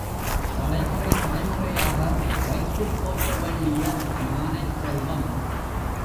தலைமுறை தலைமுறையாக வைத்துப் போற்ற வேண்டிய ஞானச் செல்வம்.